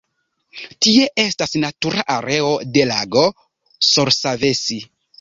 Tie estas natura areo de lago Sorsavesi.